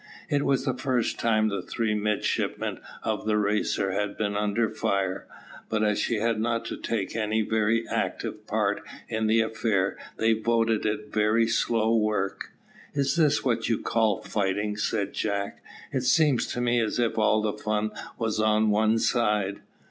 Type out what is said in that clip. It was the first time the three midshipmen of the Racer had been under fire, but as she had not to take any very active part in the affair, they voted it very slow work. "Is this what you call fighting?" said Jack. "It seems to me as if all the fun was on one side."